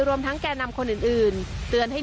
รวมทั้งแก่นำคนอื่น